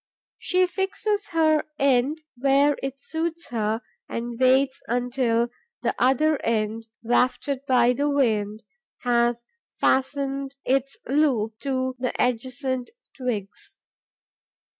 She fixes her end where it suits her and waits until the other end, wafted by the wind, has fastened its loop to the adjacent twigs.